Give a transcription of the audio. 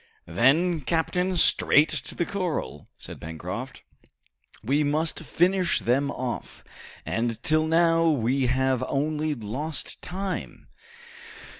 "Then, captain, straight to the corral!" cried Pencroft. "We must finish them off, and till now we have only lost time!"